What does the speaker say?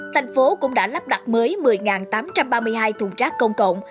thành phố cũng đã lắp đặt mới một mươi tám trăm ba mươi hai thùng trác công cộng